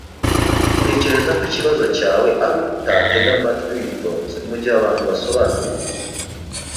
Ntekereza ko ikibazo cyawe ari uko utatega amatwi witonze mugihe abantu basobanura ibintu.